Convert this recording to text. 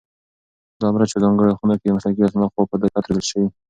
دا مرچ په ځانګړو خونو کې د مسلکي کسانو لخوا په دقت روزل شوي.